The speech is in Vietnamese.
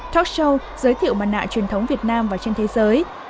talk show giới thiệu mặt nạ truyền thống việt nam và trên thế giới